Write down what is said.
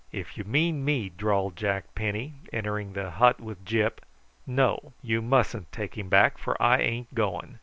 "If you mean me," drawled Jack Penny, entering the hut with Gyp, "no, you mustn't take him back, for I ain't going.